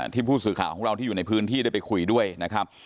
ผู้สื่อข่าวของเราที่อยู่ในพื้นที่ได้ไปคุยด้วยนะครับ